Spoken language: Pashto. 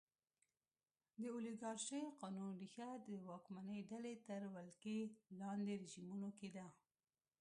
د اولیګارشۍ قانون ریښه د واکمنې ډلې تر ولکې لاندې رژیمونو کې ده.